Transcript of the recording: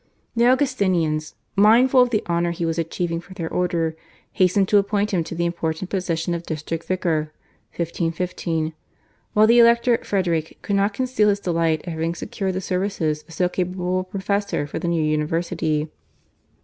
The Augustinians, mindful of the honour he was achieving for their order, hastened to appoint him to the important position of district vicar (1515), while the Elector Frederick could not conceal his delight at having secured the services of so capable a professor for the new university.